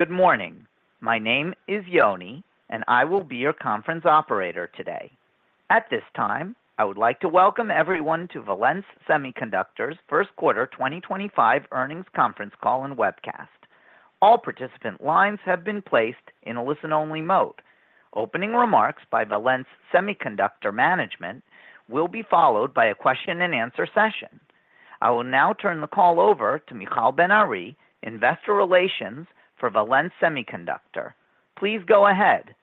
Good morning. My name is Yoni, and I will be your conference operator today. At this time, I would like to welcome everyone to Valens Semiconductor's first quarter 2025 earnings conference call and webcast. All participant lines have been placed in a listen-only mode. Opening remarks by Valens Semiconductor Management will be followed by a question-and-answer session. I will now turn the call over to Michal Ben Ari, Investor Relations for Valens Semiconductor. Please go ahead.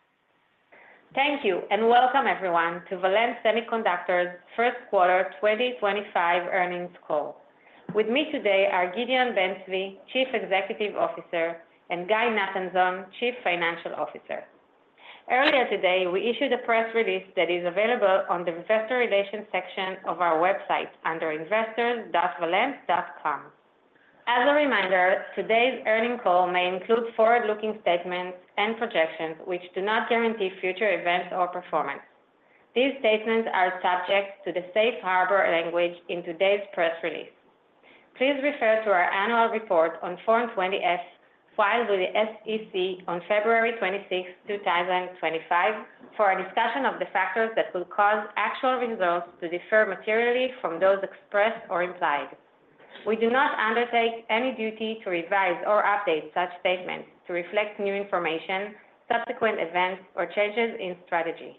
Thank you, and welcome everyone to Valens Semiconductor's first quarter 2025 earnings call. With me today are Gideon Ben-Zvi, Chief Executive Officer, and Guy Nathanzon, Chief Financial Officer. Earlier today, we issued a press release that is available on the Investor Relations section of our website under investors.valens.com. As a reminder, today's earnings call may include forward-looking statements and projections which do not guarantee future events or performance. These statements are subject to the safe harbor language in today's press release. Please refer to our annual report on Form 20-F filed with the SEC on February 26, 2025, for a discussion of the factors that could cause actual results to differ materially from those expressed or implied. We do not undertake any duty to revise or update such statements to reflect new information, subsequent events, or changes in strategy.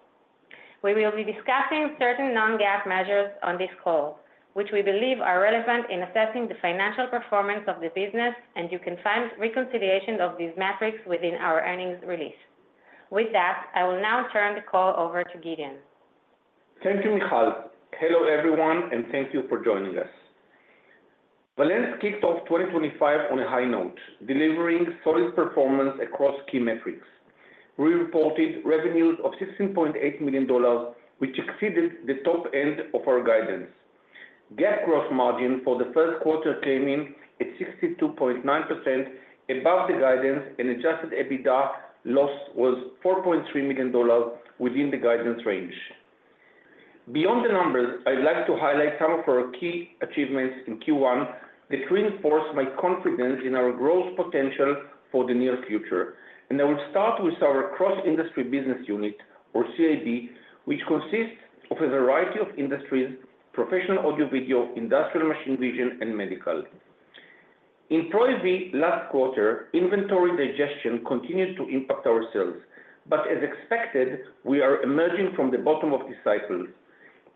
We will be discussing certain non-GAAP measures on this call, which we believe are relevant in assessing the financial performance of the business, and you can find reconciliation of these metrics within our earnings release. With that, I will now turn the call over to Gideon. Thank you, Michal. Hello, everyone, and thank you for joining us. Valens kicked off 2025 on a high note, delivering solid performance across key metrics. We reported revenues of $16.8 million, which exceeded the top end of our guidance. GAAP gross margin for the first quarter came in at 62.9%, above the guidance, and adjusted EBITDA loss was $4.3 million within the guidance range. Beyond the numbers, I'd like to highlight some of our key achievements in Q1 that reinforce my confidence in our growth potential for the near future. I will start with our cross-industry business unit, or CIB, which consists of a variety of industries: professional audio, video, industrial machine vision, and medical. In Pro AV, last quarter, inventory digestion continued to impact our sales, but as expected, we are emerging from the bottom of the cycle.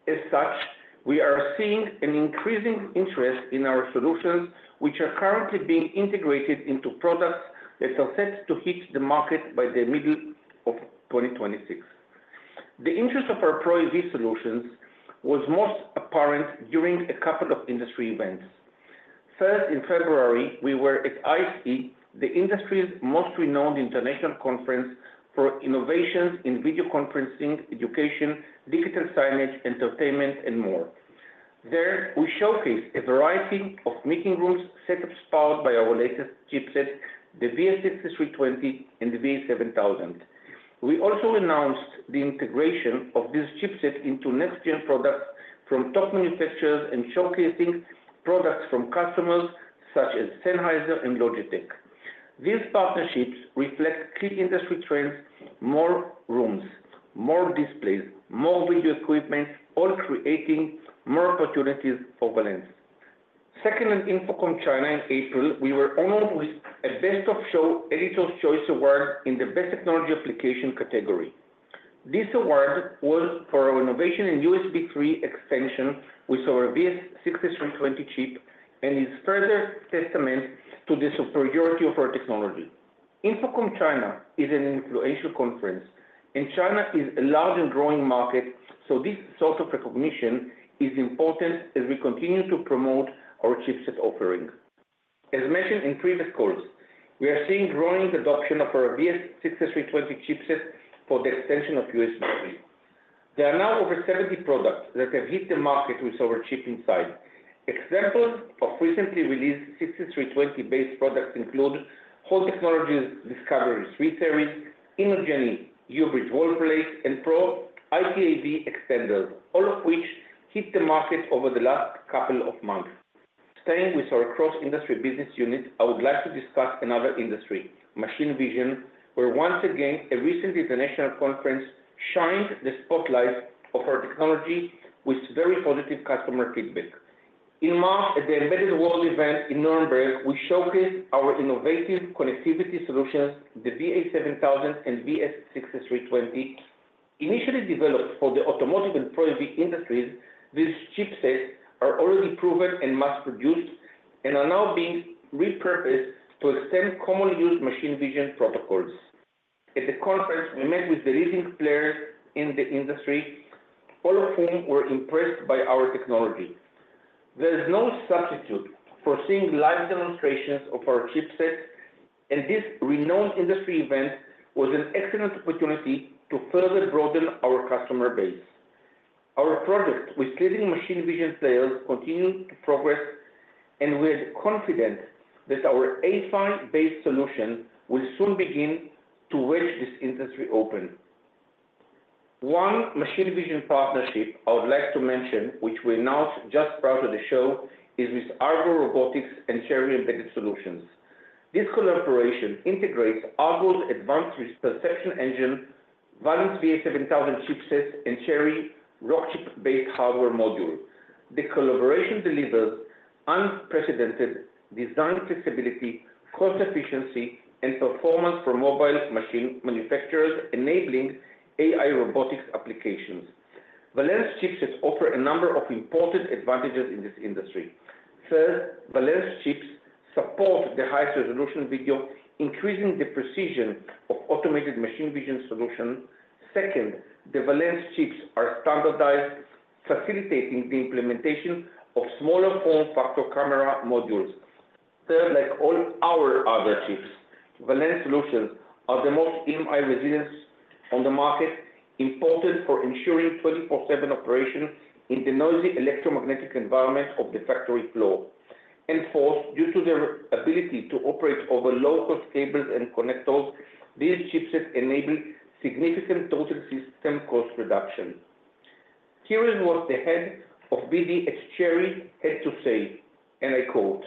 As such, we are seeing an increasing interest in our solutions, which are currently being integrated into products that are set to hit the market by the middle of 2026. The interest of our Pro AV solutions was most apparent during a couple of industry events. First, in February, we were at ISE, the industry's most renowned international conference for innovations in video conferencing, education, digital signage, entertainment, and more. There, we showcased a variety of meeting rooms set up by our latest chipset, the VS6320 and the VA7000. We also announced the integration of this chipset into next-gen products from top manufacturers and showcasing products from customers such as Sennheiser and Logitech. These partnerships reflect key industry trends: more rooms, more displays, more video equipment, all creating more opportunities for Valens. Second, at InfoCom China in April, we were honored with a Best of Show Editor's Choice Award in the Best Technology Application category. This award was for our innovation in USB 3 extension with our VS6320 chip and is further testament to the superiority of our technology. InfoCom China is an influential conference, and China is a large and growing market, so this sort of recognition is important as we continue to promote our chipset offering. As mentioned in previous calls, we are seeing growing adoption of our VS6320 chipset for the extension of USB 3. There are now over 70 products that have hit the market with our chip inside. Examples of recently released 6320-based products include Whole Technology Discovery 3 Series, INOGENI U-BRIDGE wall plate, and Pro IPAV extenders, all of which hit the market over the last couple of months. Staying with our cross-industry business unit, I would like to discuss another industry, machine vision, where once again a recent international conference shined the spotlight on our technology with very positive customer feedback. In March, at the Embedded World event in Nuremberg, we showcased our innovative connectivity solutions, the VA7000 and VS6320. Initially developed for the automotive and Pro AV industries, these chipsets are already proven and mass-produced and are now being repurposed to extend common used machine vision protocols. At the conference, we met with the leading players in the industry, all of whom were impressed by our technology. There is no substitute for seeing live demonstrations of our chipset, and this renowned industry event was an excellent opportunity to further broaden our customer base. Our project with leading machine vision players continued to progress, and we are confident that our AI-based solution will soon begin to wedge this industry open. One machine vision partnership I would like to mention, which we announced just prior to the show, is with RGo Robotics and CHERRY Embedded Solutions. This collaboration integrates RGo's advanced Perception Engine, Valens' VA7000 chipset, and CHERRY Rockchip-based hardware module. The collaboration delivers unprecedented design flexibility, cost efficiency, and performance for mobile machine manufacturers, enabling AI robotics applications. Valens chipsets offer a number of important advantages in this industry. First, Valens chips support the highest resolution video, increasing the precision of automated machine vision solutions. Second, the Valens chips are standardized, facilitating the implementation of smaller form factor camera modules. Third, like all our other chips, Valens solutions are the most EMI resilient on the market, important for ensuring 24/7 operation in the noisy electromagnetic environment of the factory floor. Fourth, due to their ability to operate over low-cost cables and connectors, these chipsets enable significant total system cost reduction. Here is what the Head of BD at CHERRY had to say, and I quote,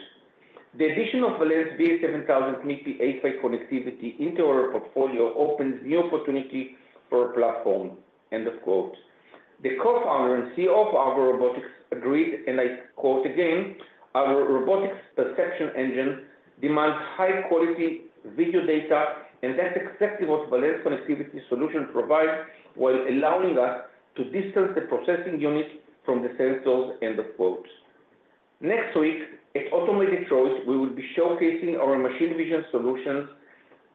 "The addition of Valens VA7000 MIPI A-PHY connectivity into our portfolio opens new opportunity for our platform," end of quote. The Co-Founder and CEO of RGo Robotics agreed, and I quote again, "Our Robotics Perception Engine demands high-quality video data, and that's exactly what Valens' connectivity solutions provide while allowing us to distance the processing unit from the sensors," end of quote. Next week, at Automated Choice, we will be showcasing our machine vision solutions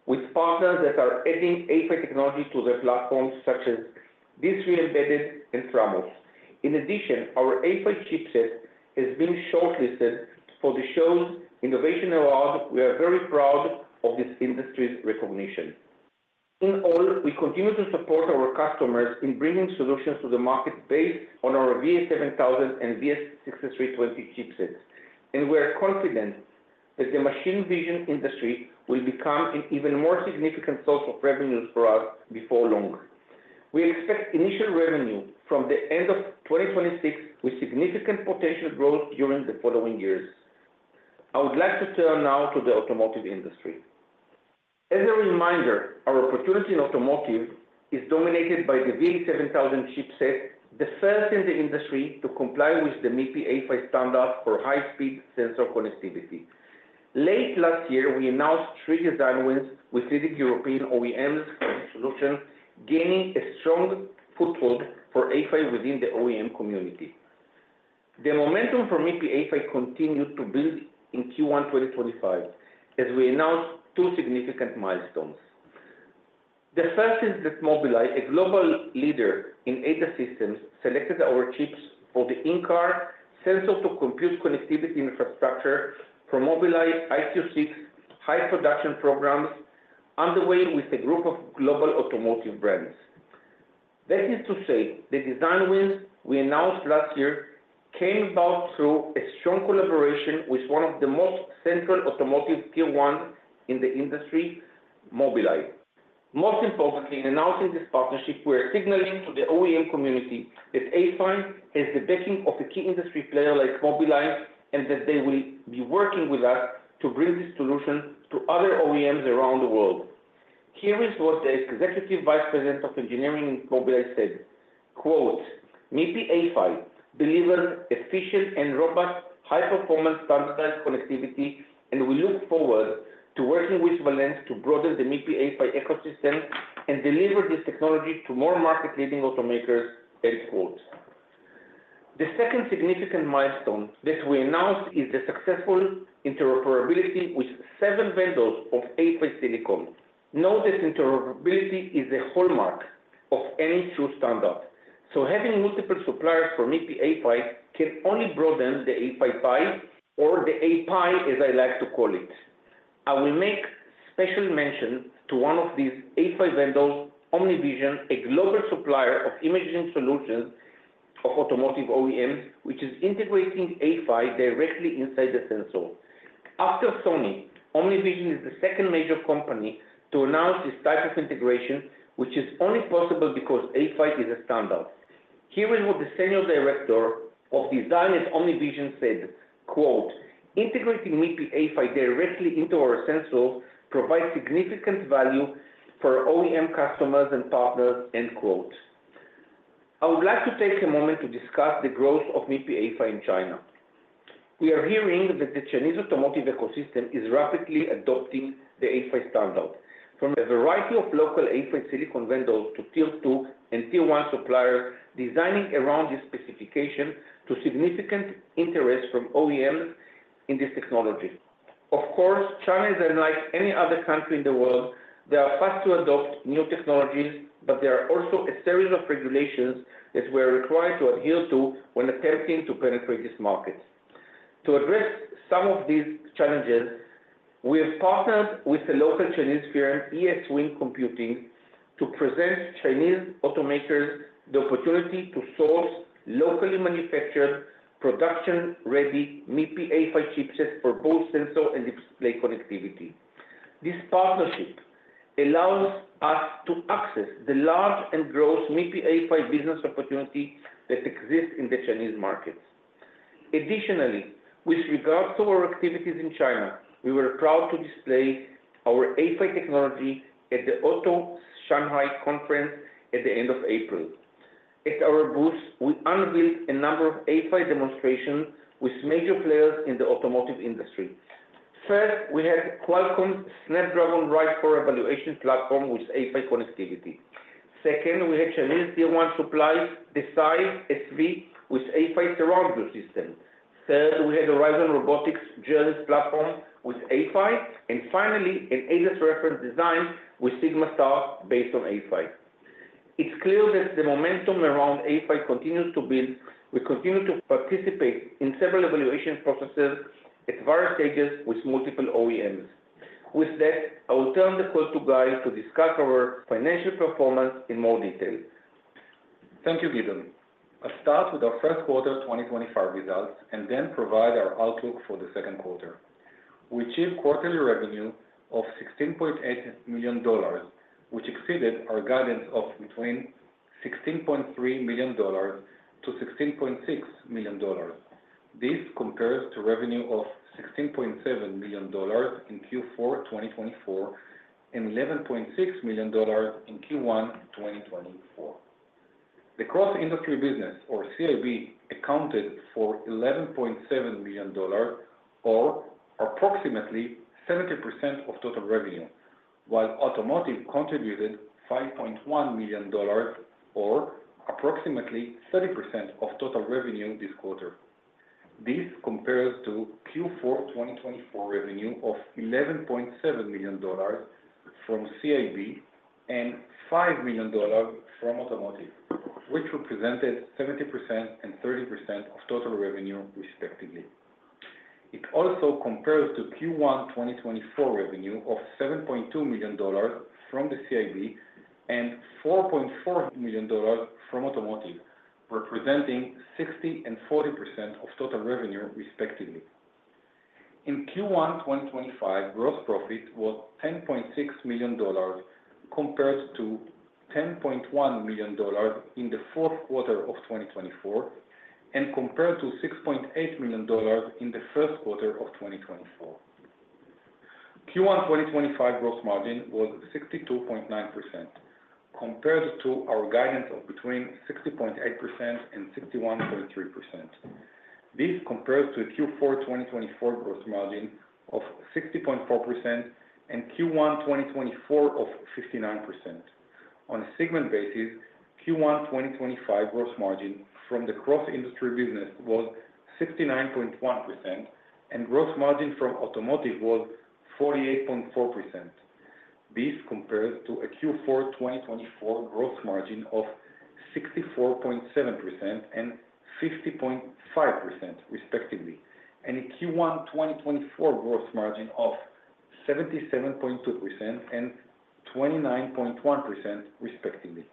with partners that are adding AI technology to their platforms, such as D3 Embedded and FRAMOS. In addition, our A-PHY chipset has been shortlisted for the show's innovation award. We are very proud of this industry's recognition. In all, we continue to support our customers in bringing solutions to the market based on our VA7000 and VS6320 chipsets, and we are confident that the machine vision industry will become an even more significant source of revenues for us before long. We expect initial revenue from the end of 2026, with significant potential growth during the following years. I would like to turn now to the automotive industry. As a reminder, our opportunity in automotive is dominated by the VA7000 chipset, the first in the industry to comply with the MIPI A-PHY standards for high-speed sensor connectivity. Late last year, we announced three design wins with leading European OEMs and solutions, gaining a strong foothold for A-PHY within the OEM community. The momentum for MIPI A-PHY continued to build in Q1 2025 as we announced two significant milestones. The first is that Mobileye, a global leader in ADAS systems, selected our chips for the in-car sensor-to-compute connectivity infrastructure for Mobileye EyeQ6 high production programs underway with a group of global automotive brands. That is to say, the design wins we announced last year came about through a strong collaboration with one of the most central automotive tier one in the industry, Mobileye. Most importantly, in announcing this partnership, we are signaling to the OEM community that A-PHY has the backing of a key industry player like Mobileye and that they will be working with us to bring this solution to other OEMs around the world. Here is what the Executive Vice President of Engineering in Mobileye said, "MIPI A-PHY delivers efficient and robust high-performance standardized connectivity, and we look forward to working with Valens to broaden the MIPI A-PHY ecosystem and deliver this technology to more market-leading automakers," end quote. The second significant milestone that we announced is the successful interoperability with seven vendors of A-PHY silicon. Know that interoperability is a hallmark of any true standard. Having multiple suppliers for MIPI A-PHY can only broaden the A-PHY pie, or the A-PIE, as I like to call it. I will make special mention to one of these A-PHY vendors, OmniVision, a global supplier of imaging solutions for automotive OEM, which is integrating A-PHY directly inside the sensor. After Sony, OmniVision is the second major company to announce this type of integration, which is only possible because A-PHY is a standard. Here is what the Senior Director of Design at OmniVision said, "Integrating MIPI A-PHY directly into our sensors provides significant value for OEM customers and partners," end quote. I would like to take a moment to discuss the growth of MIPI A-PHY in China. We are hearing that the Chinese automotive ecosystem is rapidly adopting the A-PHY standard from a variety of local A-PHY silicon vendors to tier two and tier one suppliers designing around this specification to significant interest from OEMs in this technology. Of course, China is unlike any other country in the world. They are fast to adopt new technologies, but there are also a series of regulations that we are required to adhere to when attempting to penetrate this market. To address some of these challenges, we have partnered with a local Chinese firm, ESWIN Computing, to present Chinese automakers the opportunity to source locally manufactured production-ready MIPI A-PHY chipsets for both sensor and display connectivity. This partnership allows us to access the large and growing MIPI A-PHY business opportunity that exists in the Chinese markets. Additionally, with regards to our activities in China, we were proud to display our A-PHY technology at the Auto Shanghai Conference at the end of April. At our booth, we unveiled a number of A-PHY demonstrations with major players in the automotive industry. First, we had Qualcomm's Snapdragon Ride for evaluation platform with A-PHY connectivity. Second, we had Chinese tier one suppliers, Desay SV, with A-PHY surround system. Third, we had Horizon Robotics' Journey platform with A-PHY, and finally, an ADAS reference design with SigmaStar based on A-PHY. It's clear that the momentum around A-PHY continues to build. We continue to participate in several evaluation processes at various stages with multiple OEMs. With that, I will turn the call to Guy to discuss our financial performance in more detail. Thank you, Gideon. I'll start with our first quarter 2025 results and then provide our outlook for the second quarter. We achieved quarterly revenue of $16.8 million, which exceeded our guidance of between $16.3 millio-$16.6 million. This compares to revenue of $16.7 million in Q4 2024 and $11.6 million in Q1 2024. The cross-industry business, or CIB, accounted for $11.7 million, or approximately 70% of total revenue, while automotive contributed $5.1 million, or approximately 30% of total revenue this quarter. This compares to Q4 2024 revenue of $11.7 million from CIB and $5 million from automotive, which represented 70% and 30% of total revenue, respectively. It also compares to Q1 2024 revenue of $7.2 million from the CIB and $4.4 million from automotive, representing 60% and 40% of total revenue, respectively. In Q1 2025, gross profit was $10.6 million compared to $10.1 million in the fourth quarter of 2024 and compared to $6.8 million in the first quarter of 2024. Q1 2025 gross margin was 62.9% compared to our guidance of between 60.8% and 61.3%. This compares to Q4 2024 gross margin of 60.4% and Q1 2024 of 59%. On a segment basis, Q1 2025 gross margin from the cross-industry business was 69.1%, and gross margin from automotive was 48.4%. This compares to a Q4 2024 gross margin of 64.7% and 50.5%, respectively, and a Q1 2024 gross margin of 77.2% and 29.1%, respectively.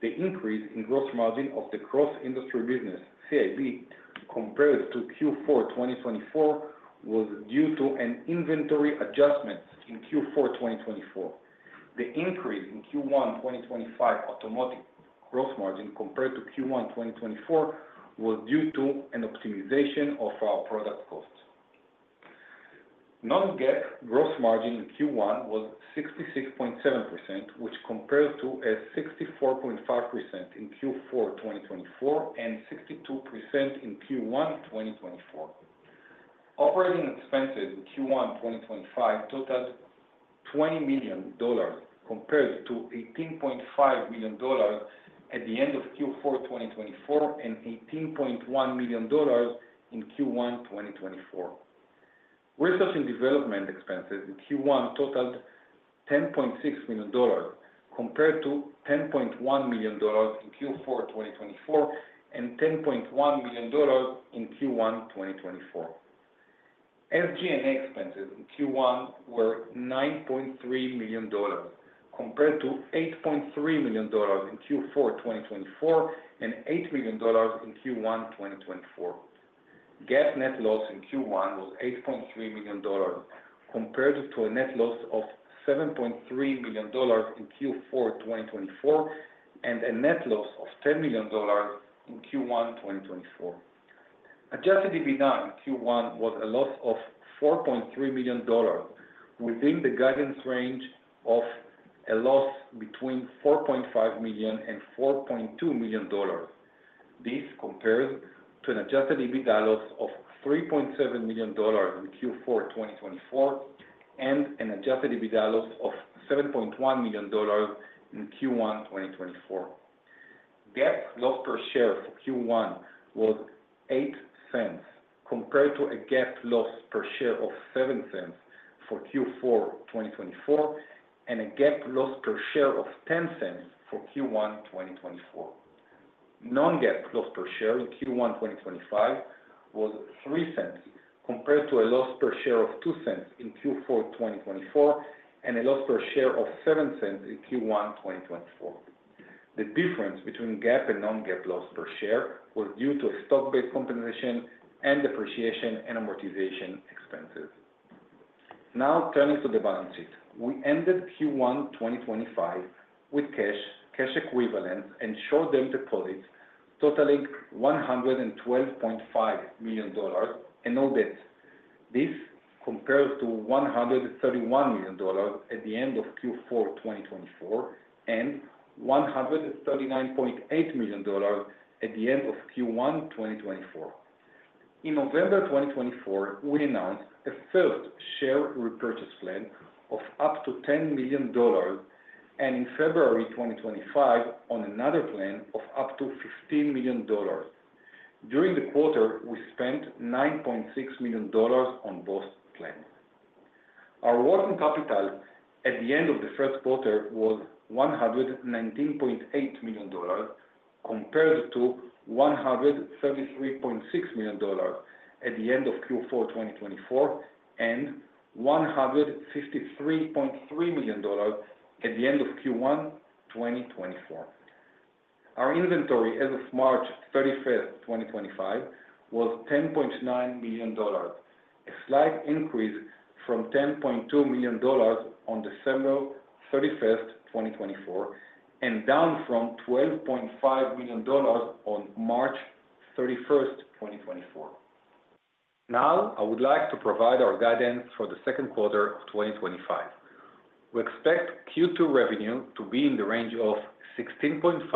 The increase in gross margin of the cross-industry business, CIB, compared to Q4 2024 was due to an inventory adjustment in Q4 2024. The increase in Q1 2025 automotive gross margin compared to Q1 2024 was due to an optimization of our product costs. Non-GAAP gross margin in Q1 was 66.7%, which compares to 64.5% in Q4 2024 and 62% in Q1 2024. Operating expenses in Q1 2025 totaled $20 million compared to $18.5 million at the end of Q4 2024 and $18.1 million in Q1 2024. Research and development expenses in Q1 totaled $10.6 million compared to $10.1 million in Q4 2024 and $10.1 million in Q1 2024. SG&A expenses in Q1 were $9.3 million compared to $8.3 million in Q4 2024 and $8 million in Q1 2024. GAAP net loss in Q1 was $8.3 million compared to a net loss of $7.3 million in Q4 2024 and a net loss of $10 million in Q1 2024. Adjusted EBITDA in Q1 was a loss of $4.3 million within the guidance range of a loss between $4.5 million and $4.2 million. This compares to an adjusted EBITDA loss of $3.7 million in Q4 2024 and an adjusted EBITDA loss of $7.1 million in Q1 2024. GAAP loss per share for Q1 was $0.08 compared to a GAAP loss per share of $0.07 for Q4 2024 and a GAAP loss per share of $0.10 for Q1 2024. Non-GAAP loss per share in Q1 2025 was $0.03 compared to a loss per share of $0.02 in Q4 2024 and a loss per share of $0.07 in Q1 2024. The difference between GAAP and non-GAAP loss per share was due to stock-based compensation and depreciation and amortization expenses. Now, turning to the balance sheet, we ended Q1 2025 with cash, cash equivalents, and short-term deposits totaling $112.5 million and no debt. This compares to $131 million at the end of Q4 2024 and $139.8 million at the end of Q1 2024. In November 2024, we announced a first share repurchase plan of up to $10 million and in February 2025 on another plan of up to $15 million. During the quarter, we spent $9.6 million on both plans. Our working capital at the end of the first quarter was $119.8 million compared to $133.6 million at the end of Q4 2024 and $153.3 million at the end of Q1 2024. Our inventory as of March 31, 2025, was $10.9 million, a slight increase from $10.2 million on December 31, 2024, and down from $12.5 million on March 31, 2024. Now, I would like to provide our guidance for the second quarter of 2025. We expect Q2 revenue to be in the range of $16.5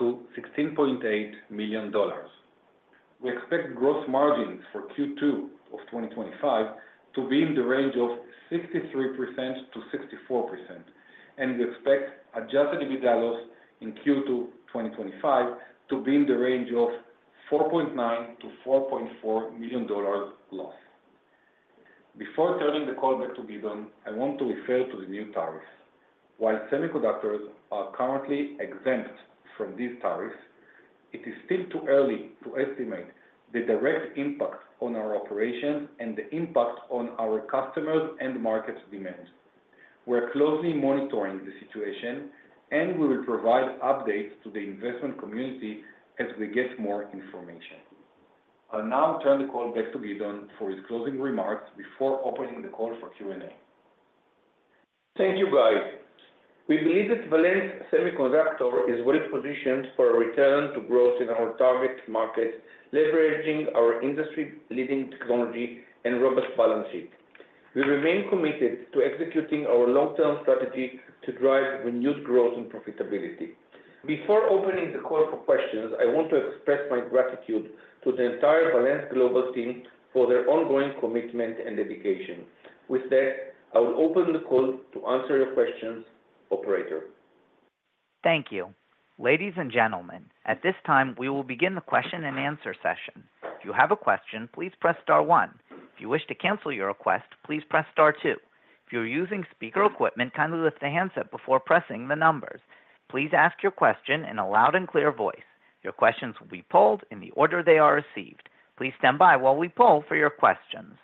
million-$16.8 million. We expect gross margins for Q2 of 2025 to be in the range of 63%-64%, and we expect adjusted EBITDA loss in Q2 2025 to be in the range of $4.9 million-$4.4 million loss. Before turning the call back to Gideon, I want to refer to the new tariffs. While semiconductors are currently exempt from these tariffs, it is still too early to estimate the direct impact on our operations and the impact on our customers' and market demand. We are closely monitoring the situation, and we will provide updates to the investment community as we get more information. I'll now turn the call back to Gideon for his closing remarks before opening the call for Q&A. Thank you, Guy. We believe that Valens Semiconductor is well positioned for a return to growth in our target market, leveraging our industry-leading technology and robust balance sheet. We remain committed to executing our long-term strategy to drive renewed growth and profitability. Before opening the call for questions, I want to express my gratitude to the entire Valens global team for their ongoing commitment and dedication. With that, I will open the call to answer your questions, Operator. Thank you. Ladies and gentlemen, at this time, we will begin the question and answer session. If you have a question, please press star one. If you wish to cancel your request, please press star two. If you're using speaker equipment, kindly lift the handset before pressing the numbers. Please ask your question in a loud and clear voice. Your questions will be polled in the order they are received. Please stand by while we poll for your questions.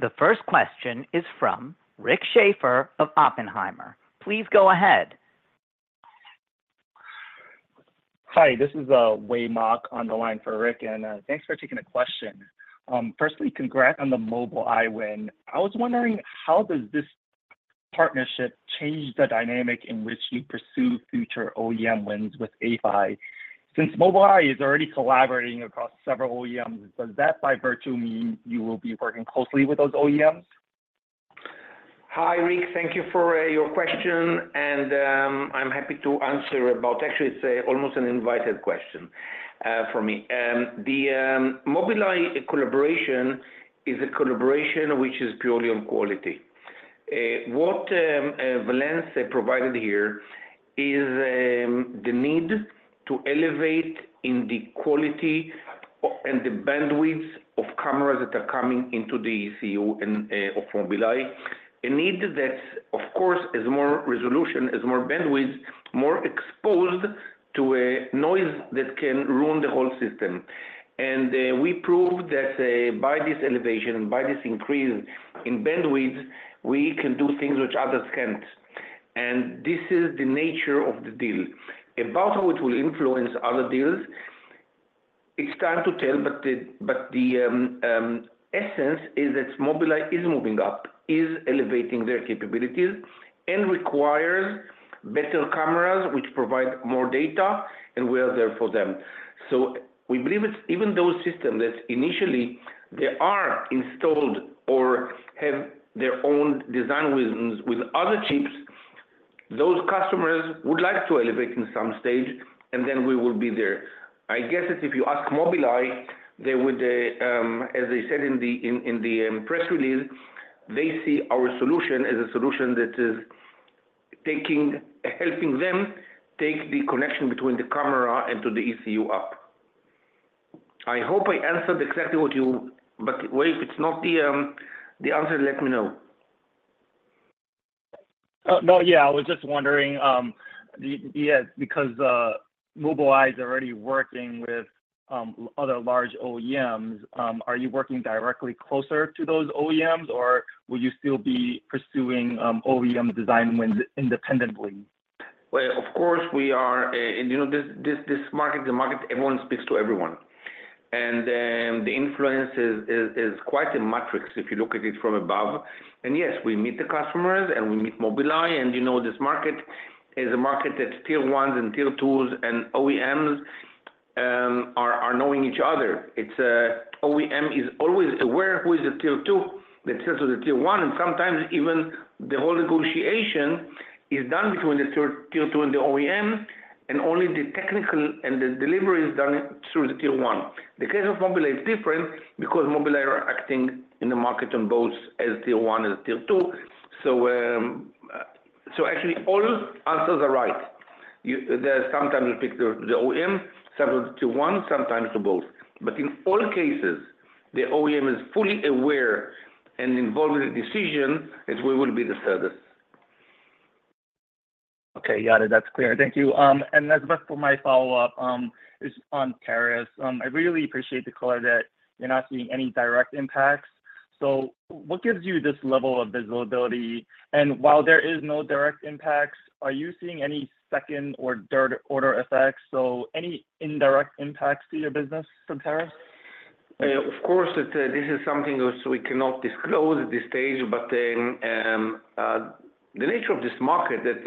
The first question is from Rick Schafer of Oppenheimer. Please go ahead. Hi, this is Wei Mok on the line for Rick, and thanks for taking the question. Firstly, congrats on the Mobileye win. I was wondering, how does this partnership change the dynamic in which you pursue future OEM wins with A-PHY? Since Mobileye is already collaborating across several OEMs, does that by virtue mean you will be working closely with those OEMs? Hi, Rick. Thank you for your question, and I'm happy to answer about, actually, it's almost an invited question for me. The Mobileye collaboration is a collaboration which is purely on quality. What Valens provided here is the need to elevate in the quality and the bandwidth of cameras that are coming into the ECU of Mobileye, a need that, of course, has more resolution, has more bandwidth, more exposed to noise that can ruin the whole system. We proved that by this elevation and by this increase in bandwidth, we can do things which others can't. This is the nature of the deal. About how it will influence other deals, it's time to tell, but the essence is that Mobileye is moving up, is elevating their capabilities, and requires better cameras which provide more data and will therefore them. We believe it's even those systems that initially they are installed or have their own design with other chips, those customers would like to elevate in some stage, and then we will be there. I guess if you ask Mobileye, they would, as they said in the press release, they see our solution as a solution that is helping them take the connection between the camera and to the ECU up. I hope I answered exactly what you, but if it's not the answer, let me know. No, yeah, I was just wondering, yes, because Mobileye is already working with other large OEMs. Are you working directly closer to those OEMs, or will you still be pursuing OEM design wins independently? Of course, we are. In this market, everyone speaks to everyone. The influence is quite a matrix if you look at it from above. Yes, we meet the customers, and we meet Mobileye, and this market is a market that's tier ones and tier twos, and OEMs are knowing each other. OEM is always aware who is the tier two, the tier two, the tier one, and sometimes even the whole negotiation is done between the tier two and the OEM, and only the technical and the delivery is done through the tier one. The case of Mobileye is different because Mobileye are acting in the market on both as tier one and tier two. Actually, all answers are right. Sometimes we pick the OEM, sometimes the tier one, sometimes both. In all cases, the OEM is fully aware and involved in the decision that we will be the service. Okay, got it. That's clear. Thank you. As best for my follow-up is on tariffs. I really appreciate the color that you're not seeing any direct impacts. What gives you this level of visibility? While there is no direct impacts, are you seeing any second or third-order effects? Any indirect impacts to your business from tariffs? Of course, this is something which we cannot disclose at this stage, but the nature of this market that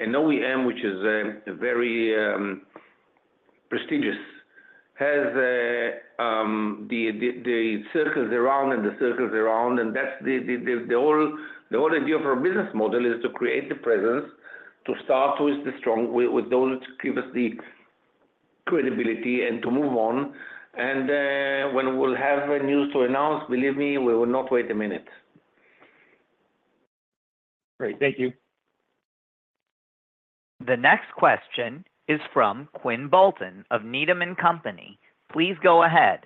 an OEM, which is very prestigious, has the circles around and the circles around, and that's the whole idea of our business model is to create the presence, to start with the strong, with those that give us the credibility, and to move on. When we'll have news to announce, believe me, we will not wait a minute. Great. Thank you. The next question is from Quinn Bolton of Needham & Company. Please go ahead.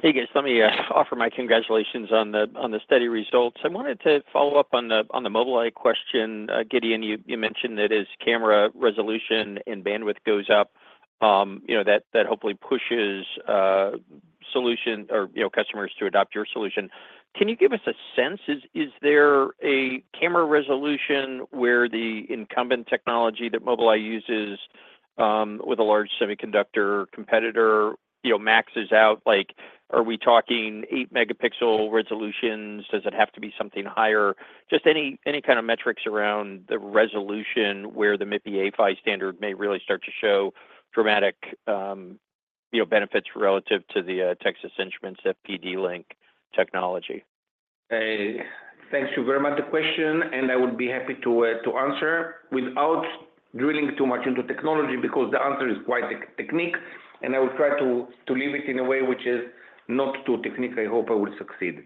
Hey, guys. Let me offer my congratulations on the steady results. I wanted to follow up on the Mobileye question. Gideon, you mentioned that as camera resolution and bandwidth goes up, that hopefully pushes solution or customers to adopt your solution. Can you give us a sense? Is there a camera resolution where the incumbent technology that Mobileye uses with a large semiconductor competitor maxes out? Are we talking 8 MP resolutions? Does it have to be something higher? Just any kind of metrics around the resolution where the MIPI A-PHY standard may really start to show dramatic benefits relative to the Texas Instruments FPD-Link technology. Thank you very much for the question, and I would be happy to answer without drilling too much into technology because the answer is quite technical, and I will try to leave it in a way which is not too technical. I hope I will succeed.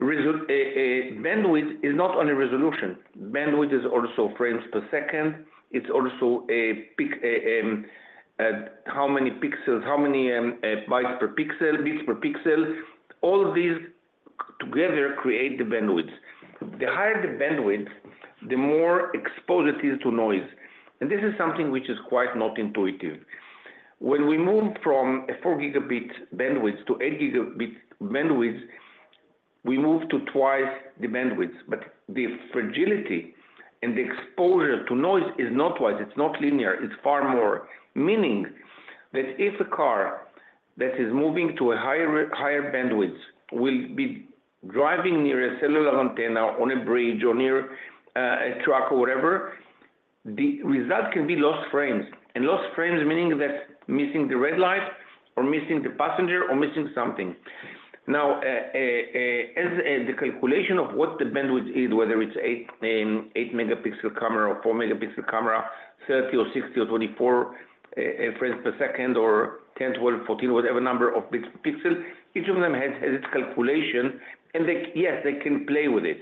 Bandwidth is not only resolution. Bandwidth is also frames per second. It's also how many pixels, how many bytes per pixel, bits per pixel. All these together create the bandwidth. The higher the bandwidth, the more exposure it is to noise. This is something which is quite not intuitive. When we move from a 4 Gb bandwidth to 8 Gb bandwidth, we move to twice the bandwidth, but the fragility and the exposure to noise is not twice. It's not linear. It's far more, meaning that if a car that is moving to a higher bandwidth will be driving near a cellular antenna on a bridge or near a truck or whatever, the result can be lost frames. Lost frames, meaning that missing the red light or missing the passenger or missing something. Now, as the calculation of what the bandwidth is, whether it's an 8 MP camera or 4 MP camera, 30 or 60 or 24 frames per second or 10, 12, 14, whatever number of pixels, each of them has its calculation, and yes, they can play with it.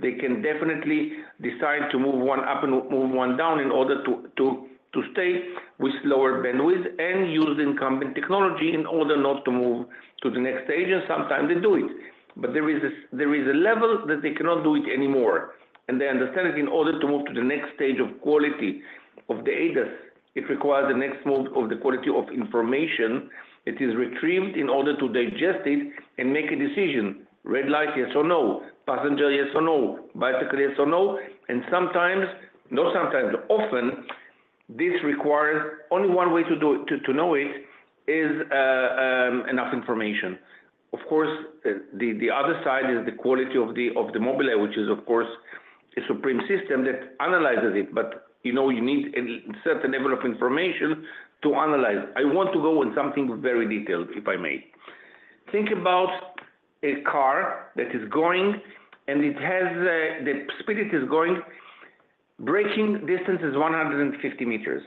They can definitely decide to move one up and move one down in order to stay with lower bandwidth and use the incumbent technology in order not to move to the next stage. Sometimes they do it, but there is a level that they cannot do it anymore. They understand that in order to move to the next stage of quality of the ADAS, it requires the next move of the quality of information that is retrieved in order to digest it and make a decision: red light, yes or no; passenger, yes or no; bicycle, yes or no. Sometimes, not sometimes, often, this requires only one way to know it is enough information. Of course, the other side is the quality of the Mobileye, which is, of course, a supreme system that analyzes it, but you need a certain level of information to analyze. I want to go on something very detailed, if I may. Think about a car that is going, and the speed it is going, braking distance is 150 m,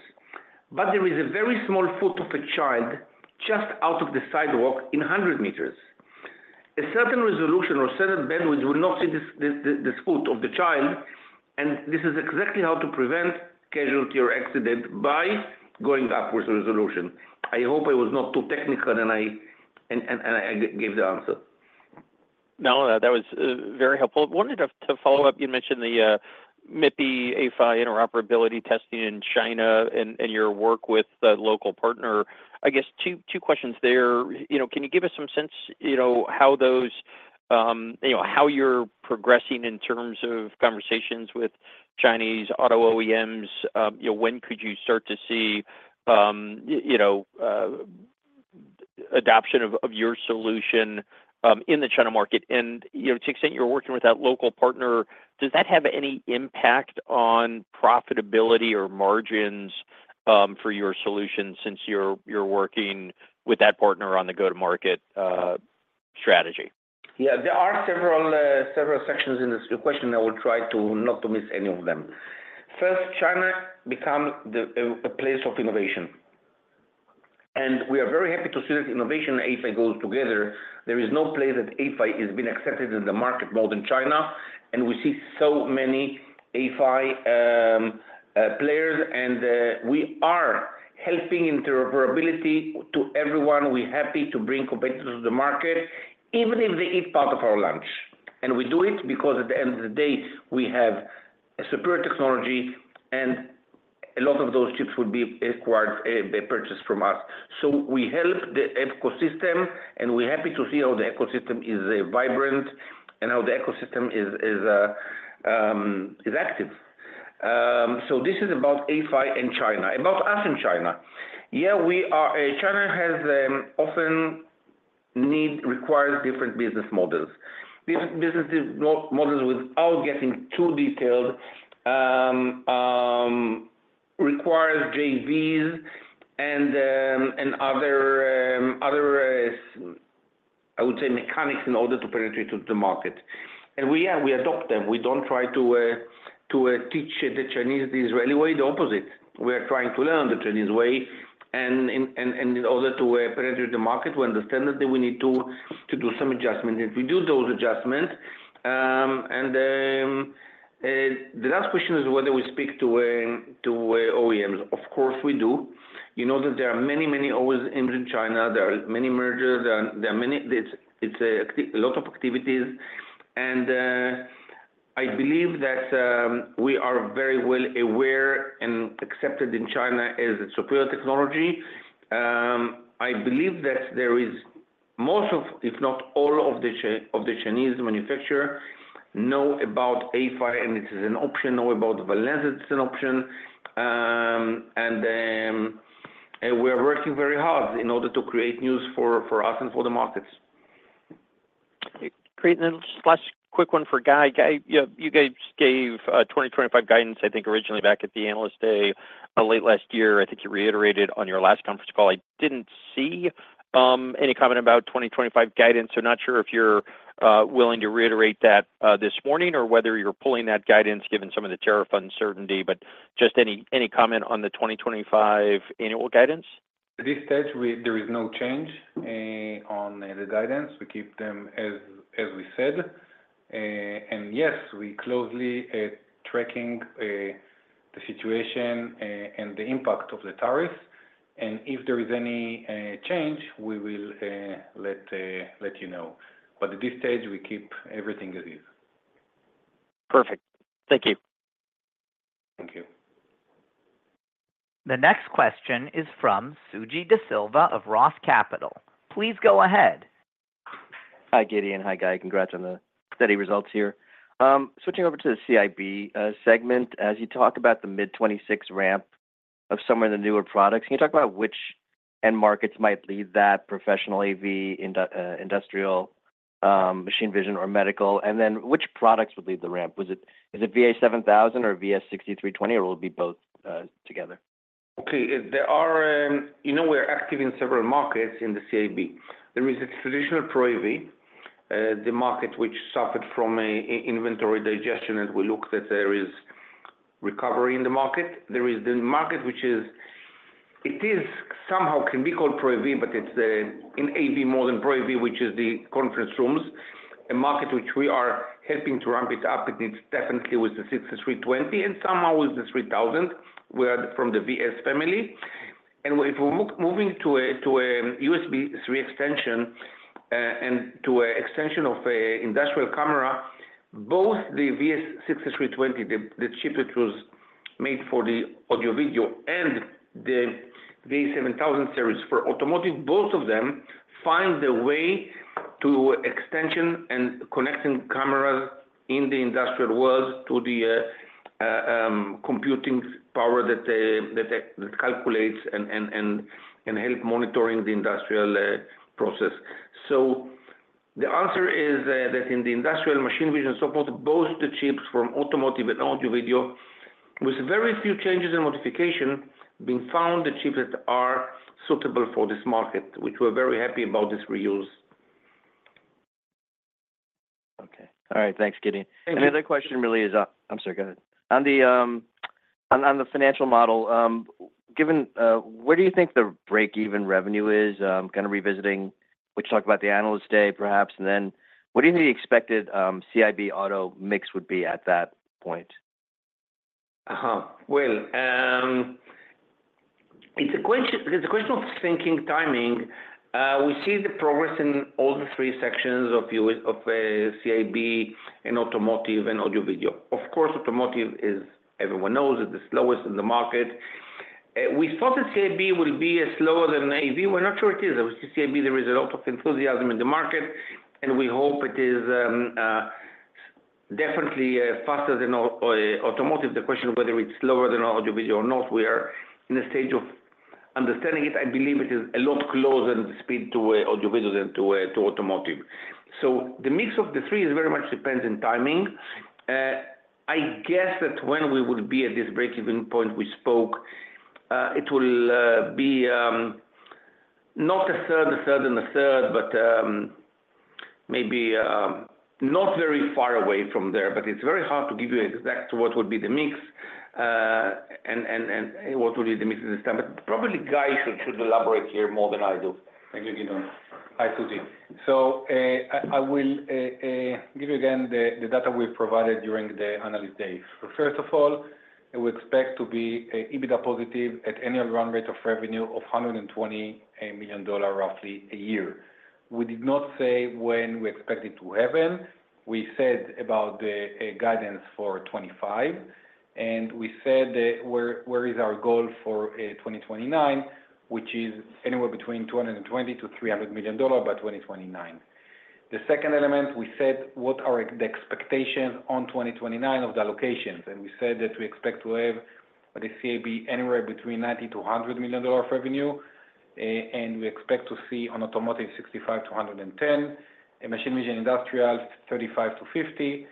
but there is a very small foot of a child just out of the sidewalk in 100 m. A certain resolution or certain bandwidth will not see this foot of the child, and this is exactly how to prevent casualty or accident by going upwards of resolution. I hope I was not too technical, and I gave the answer. No, that was very helpful. Wanted to follow up. You mentioned the MIPI A-PHY interoperability testing in China and your work with the local partner. I guess two questions there. Can you give us some sense how those, how you're progressing in terms of conversations with Chinese auto OEMs? When could you start to see adoption of your solution in the China market? To the extent you're working with that local partner, does that have any impact on profitability or margins for your solution since you're working with that partner on the go-to-market strategy? Yeah, there are several sections in this question. I will try not to miss any of them. First, China became a place of innovation, and we are very happy to see that innovation and A-PHY go together. There is no place that A-PHY has been accepted in the market more than China, and we see so many A-PHY players, and we are helping interoperability to everyone. We're happy to bring competitors to the market, even if they eat part of our lunch. We do it because at the end of the day, we have superior technology, and a lot of those chips will be acquired, purchased from us. We help the ecosystem, and we're happy to see how the ecosystem is vibrant and how the ecosystem is active. This is about A-PHY and China. About us and China. Yeah, China often requires different business models. Different business models without getting too detailed require JVs and other, I would say, mechanics in order to penetrate into the market. We adopt them. We don't try to teach the Chinese the Israeli way. The opposite. We are trying to learn the Chinese way. In order to penetrate the market, we understand that we need to do some adjustments. If we do those adjustments, and the last question is whether we speak to OEMs. Of course, we do. You know that there are many, many OEMs in China. There are many mergers. There are a lot of activities. I believe that we are very well aware and accepted in China as superior technology. I believe that most of, if not all of the Chinese manufacturers know about A-PHY, and it is an option. Know about Valens, it's an option. We are working very hard in order to create news for us and for the markets. Great. Just last quick one for Guy. You guys gave 2025 guidance, I think, originally back at the Analyst Day late last year. I think you reiterated on your last conference call. I did not see any comment about 2025 guidance, so not sure if you are willing to reiterate that this morning or whether you are pulling that guidance given some of the tariff uncertainty, but just any comment on the 2025 annual guidance? At this stage, there is no change on the guidance. We keep them as we said. Yes, we closely track the situation and the impact of the tariffs. If there is any change, we will let you know. At this stage, we keep everything as is. Perfect. Thank you. Thank you. The next question is from Suji Desilva of Roth Capital. Please go ahead. Hi, Gideon. Hi, Guy. Congrats on the steady results here. Switching over to the CIB segment, as you talk about the mid-2026 ramp of some of the newer products, can you talk about which end markets might lead that: professional AV, industrial, machine vision, or medical? And then which products would lead the ramp? Is it VA7000 or VS6320, or will it be both together? Okay. You know we're active in several markets in the CIB. There is a traditional Pro AV, the market which suffered from inventory digestion, and we looked at there is recovery in the market. There is the market which is, it is somehow can be called Pro AV, but it's in AV more than Pro AV, which is the conference rooms. A market which we are helping to ramp it up, and it's definitely with the 6320 and somehow with the 3000. We are from the VS family. If we're moving to a USB 3 extension and to an extension of industrial camera, both the VS6320, the chip that was made for the audio-video, and the VA7000 series for automotive, both of them find their way to extension and connecting cameras in the industrial world to the computing power that calculates and helps monitoring the industrial process. The answer is that in the industrial machine vision support, both the chips from automotive and audio-video, with very few changes and modifications, we found the chips that are suitable for this market, which we're very happy about this reuse. Okay. All right. Thanks, Gideon. Thank you. Another question really is, I'm sorry, go ahead. On the financial model, where do you think the break-even revenue is? Kind of revisiting, we talked about the Analyst Day, perhaps, and then what do you think the expected CIB auto mix would be at that point? It is a question of thinking timing. We see the progress in all the three sections of CIB and automotive and audio-video. Of course, automotive is, everyone knows, the slowest in the market. We thought that CIB will be slower than AV. We're not sure it is. I would say CIB, there is a lot of enthusiasm in the market, and we hope it is definitely faster than automotive. The question of whether it's slower than audio-video or not, we are in a stage of understanding it. I believe it is a lot closer in speed to audio-video than to automotive. The mix of the three very much depends on timing. I guess that when we would be at this break-even point we spoke, it will be not a third, a third, and a third, but maybe not very far away from there. It is very hard to give you exactly what would be the mix and what would be the mix at this time. Probably Guy should elaborate here more than I do. Thank you, Gideon. Hi, Suji. I will give you again the data we provided during the Analyst Day. First of all, we expect to be EBITDA positive at annual run rate of revenue of $120 million, roughly a year. We did not say when we expect it to happen. We said about the guidance for 2025, and we said where is our goal for 2029, which is anywhere between $220 million-$300 million by 2029. The second element, we said what are the expectations on 2029 of the allocations, and we said that we expect to have the CIB anywhere between $90 million-$100 million revenue, and we expect to see on automotive $65 million-$110 million, machine vision industrial $35 million-$50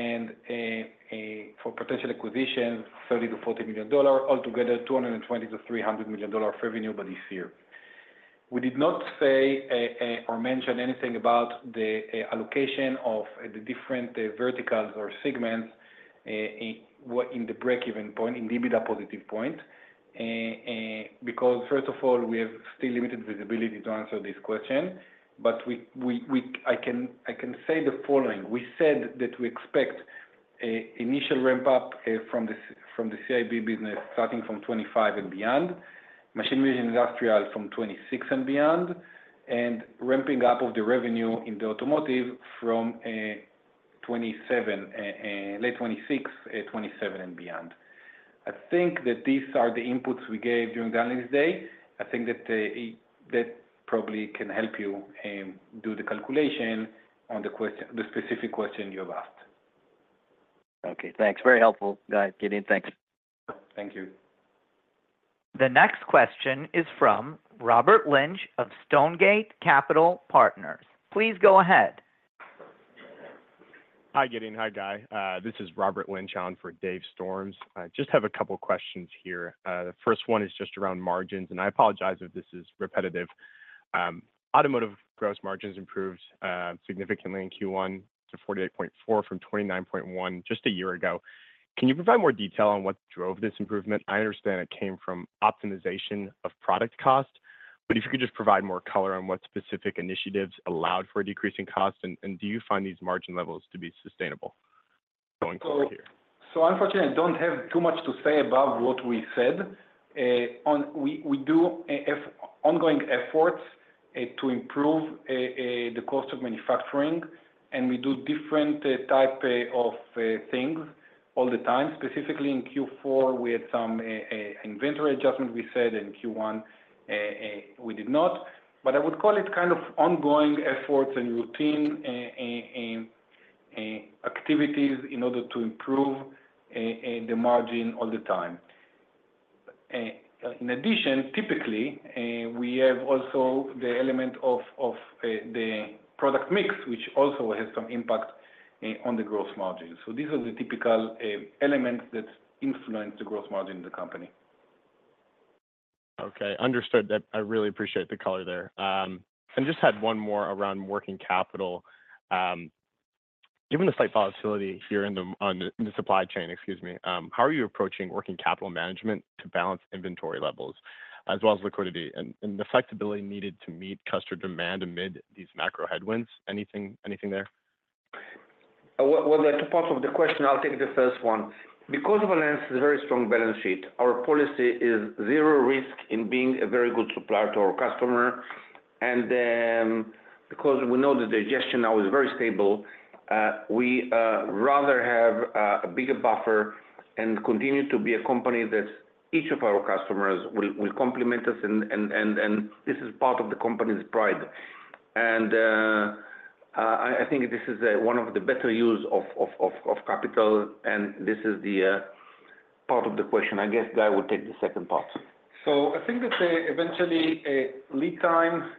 million, and for potential acquisitions, $30 million-$40 million, altogether $220 million-$300 million revenue by this year. We did not say or mention anything about the allocation of the different verticals or segments in the break-even point, in the EBITDA positive point, because first of all, we have still limited visibility to answer this question, but I can say the following. We said that we expect initial ramp-up from the CIB business starting from 2025 and beyond, machine vision industrial from 2026 and beyond, and ramping up of the revenue in the automotive from 2027, late 2026, 2027 and beyond. I think that these are the inputs we gave during the Analyst Day. I think that probably can help you do the calculation on the specific question you have asked. Okay. Thanks. Very helpful, Guy. Gideon, thanks. Thank you. The next question is from Robert Lynch of Stonegate Capital Partners. Please go ahead. Hi, Gideon. Hi, Guy. This is Robert Lynch on for Dave Storms. I just have a couple of questions here. The first one is just around margins, and I apologize if this is repetitive. Automotive gross margins improved significantly in Q1 to 48.4% from 29.1% just a year ago. Can you provide more detail on what drove this improvement? I understand it came from optimization of product cost, but if you could just provide more color on what specific initiatives allowed for a decrease in cost, and do you find these margin levels to be sustainable? Going forward here. Unfortunately, I do not have too much to say about what we said. We do have ongoing efforts to improve the cost of manufacturing, and we do different types of things all the time. Specifically in Q4, we had some inventory adjustment we said, and Q1, we did not. I would call it kind of ongoing efforts and routine activities in order to improve the margin all the time. In addition, typically, we have also the element of the product mix, which also has some impact on the gross margin. These are the typical elements that influence the gross margin of the company. Okay. Understood. I really appreciate the color there. I just had one more around working capital. Given the slight volatility here in the supply chain, excuse me, how are you approaching working capital management to balance inventory levels as well as liquidity and the flexibility needed to meet customer demand amid these macro headwinds? Anything there? There are two parts of the question. I'll take the first one. Because Valens has a very strong balance sheet, our policy is zero risk in being a very good supplier to our customer. Because we know that the digestion now is very stable, we rather have a bigger buffer and continue to be a company that each of our customers will complement us, and this is part of the company's pride. I think this is one of the better use of capital, and this is the part of the question. I guess Guy would take the second part. I think that eventually lead time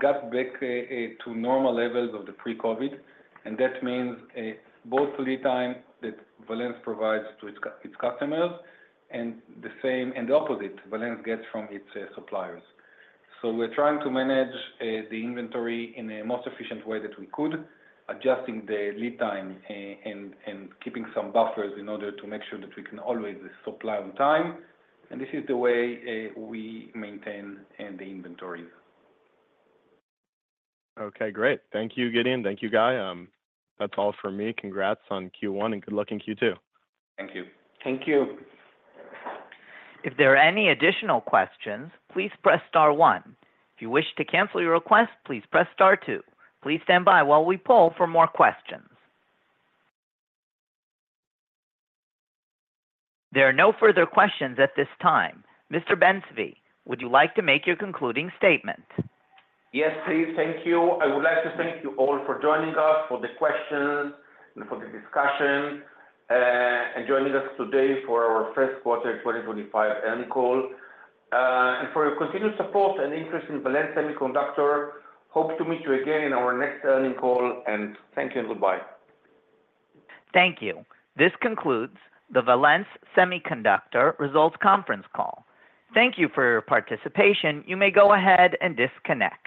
got back to normal levels of the pre-COVID, and that means both lead time that Valens provides to its customers and the opposite Valens gets from its suppliers. We are trying to manage the inventory in the most efficient way that we could, adjusting the lead time and keeping some buffers in order to make sure that we can always supply on time. This is the way we maintain the inventories. Okay. Great. Thank you, Gideon. Thank you, Guy. That's all for me. Congrats on Q1 and good luck in Q2. Thank you. Thank you. If there are any additional questions, please press star one. If you wish to cancel your request, please press star two. Please stand by while we pull for more questions. There are no further questions at this time. Mr. Ben-Zvi, would you like to make your concluding statement? Yes, please. Thank you. I would like to thank you all for joining us for the questions and for the discussion and joining us today for our first quarter 2025 earnings call. And for your continued support and interest in Valens Semiconductor, hope to meet you again in our next earnings call, and thank you and goodbye. Thank you. This concludes the Valens Semiconductor Results Conference Call. Thank you for your participation. You may go ahead and disconnect.